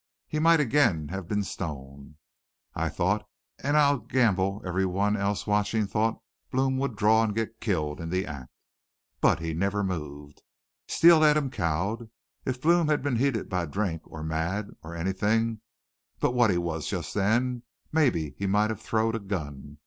He might again have been stone. I thought, an' I'll gamble every one else watchin' thought, Blome would draw an' get killed in the act. But he never moved. Steele had cowed him. If Blome had been heated by drink, or mad, or anythin' but what he was just then, maybe he might have throwed a gun.